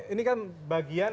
ini kan bagian